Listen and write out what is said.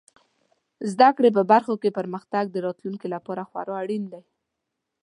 زده کړې په برخو کې پرمختګ د راتلونکي لپاره خورا اړین دی.